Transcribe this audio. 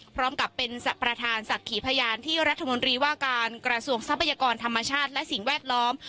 พร้อมกับเป็นประธานศักดิ์ขีพยานที่รัฐมนตรีว่าการกระทรวงทรัพยากรธรรมชาติและสิ่งแวดล้อม